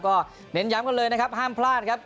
ก็เน้นย้ำกันเลยนะครับห้ามพลาดครับ